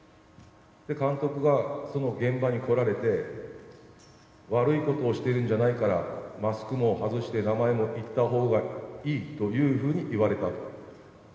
監督がその現場に来られて、悪いことをしてるんじゃないから、マスクも外して、名前も言ったほうがいいというふうに言われたと。